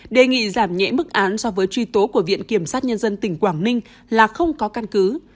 đề nghị giảm nhẹ mức án so với truy tố của viện kiểm sát nhân dân tỉnh quảng ninh là không có căn cứ